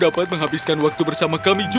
kau bisa menghabiskan waktu bersama kami